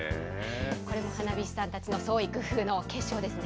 これも花火師さんたちの創意工夫の結晶ですね。